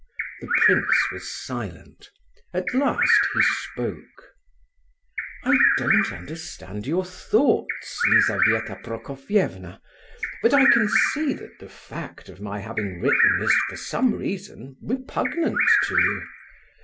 The prince was silent. At last he spoke. "I don't understand your thoughts, Lizabetha Prokofievna; but I can see that the fact of my having written is for some reason repugnant to you.